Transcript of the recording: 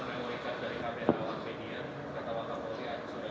atau foto foto yang sudah diangkat